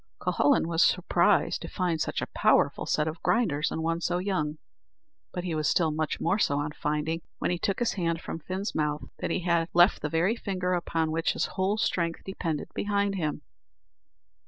Cuhullin was surprised to find such a powerful set of grinders in one so young; but he was still much more so on finding, when he took his hand from Fin's mouth, that he had left the very finger upon which his whole strength depended, behind him.